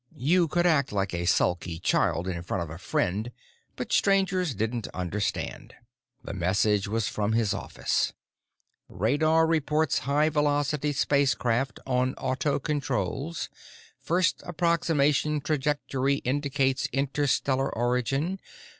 You could act like a sulky child in front of a friend, but strangers didn't understand. The message was from his office. RADAR REPORTS HIGH VELOCITY SPACECRAFT ON AUTOCONTROLS. FIRST APPROXIMATION TRAJECTORY INDICATES INTERSTELLAR ORIGIN.